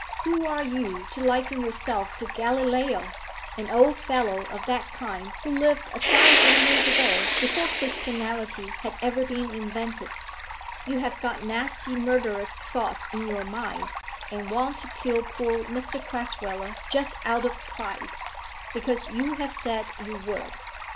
Who are you, to liken yourself to Galileo? an old fellow of that kind who lived a thousand years ago, before Christianity had ever been invented. You have got nasty murderous thoughts in your mind, and want to kill poor Mr Crasweller, just out of pride, because you have said you would.